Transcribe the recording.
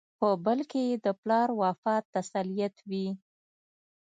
په بل کې یې د پلار وفات تسلیت وي.